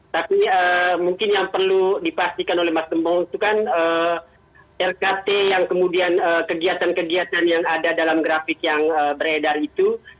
tapi mungkin yang perlu dipastikan oleh mas tembo itu kan rkt yang kemudian kegiatan kegiatan yang ada dalam grafik yang beredar itu